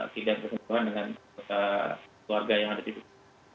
tidak bersentuhan dengan keluarga yang ada di rumah